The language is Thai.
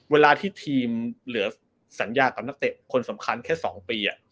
เวลาที่ทีมเหลือสัญญากับนักเตะคนสำคัญแค่๒ปี